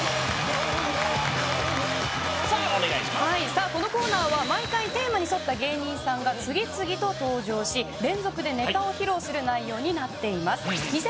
はいこのコーナーは毎回テーマに沿った芸人さんが次々と登場し連続でネタを披露する内容になっています